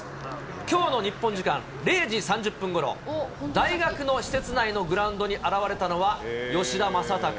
きょうの日本時間０時３０分ごろ、大学の施設内のグラウンドに現れたのは、吉田正尚。